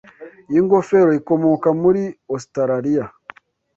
Iyi ngofero ikomoka muri Ositaraliya.